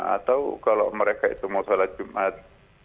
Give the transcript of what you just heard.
atau kalau mereka itu mau sholat jumat